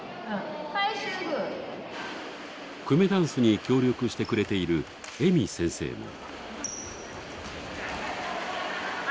くめだんすに協力してくれているＥＭＩ先生も。